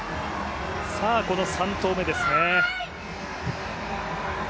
この３投目ですね。